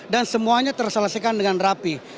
dan semuanya terselesaikan dengan rapi